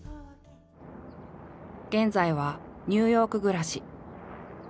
現在はニューヨーク暮らし。